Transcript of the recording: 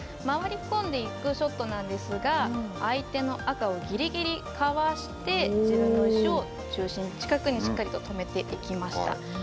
回り込んでいくショットなんですが相手の赤をぎりぎりかわして自分の石を中心の近くにしっかりと止めていきました。